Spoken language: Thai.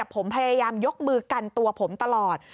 ผมพยายามยกมือกันตัวผมตลอด